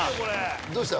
どうしたの？